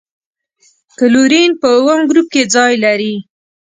کلورین په اووم ګروپ کې ځای لري.